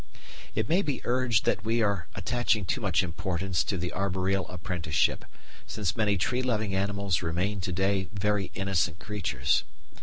] It may be urged that we are attaching too much importance to the arboreal apprenticeship, since many tree loving animals remain to day very innocent creatures.